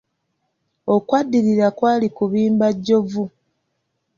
Ekyaddirira kwali kubimba jjovu.